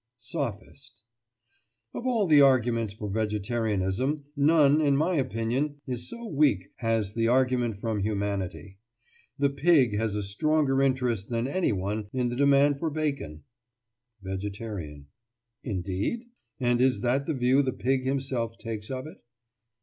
SOPHIST: Of all the arguments for vegetarianism, none, in my opinion, is so weak as the argument from humanity. The pig has a stronger interest than anyone in the demand for bacon. VEGETARIAN: Indeed? And is that the view the pig himself takes of it?